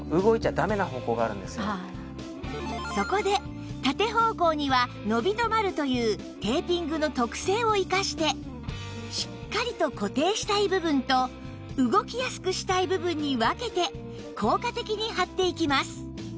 そこで縦方向には伸び止まるというテーピングの特性を生かしてしっかりと固定したい部分と動きやすくしたい部分に分けて効果的に貼っていきます